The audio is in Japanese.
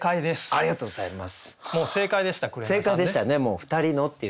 ありがとうございます。